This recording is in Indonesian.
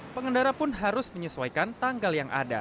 pengendara pun harus menyesuaikan tanggal yang ada